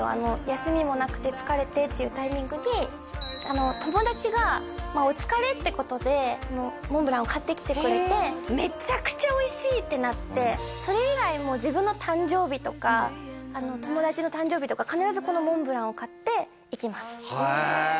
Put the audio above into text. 休みもなくて疲れてっていうタイミングに友達がまあお疲れってことでこのモンブランを買ってきてくれてめちゃくちゃおいしい！ってなってそれ以来もう自分の誕生日とか友達の誕生日とか必ずこのモンブランを買っていきますへえ